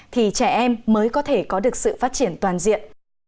thì trẻ em mới có thể có được sự phát triển toàn diện